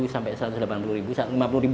lima puluh sampai satu ratus delapan puluh